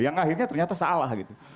yang akhirnya ternyata salah gitu